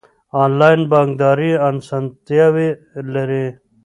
انلاین بانکداري اسانتیاوې لري.